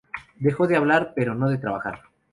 Dejó de hablar, pero no de trabajar.